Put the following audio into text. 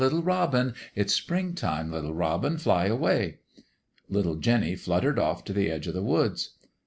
Little robin 1 It's spring time ! Little robin, fly away !'" Little Jinny fluttered off t' the edge o' the woods.